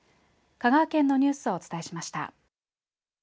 香川県のニュースをお伝えしました。